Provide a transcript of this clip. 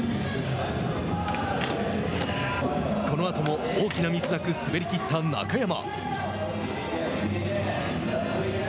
このあとも大きなミスなく滑りきった中山。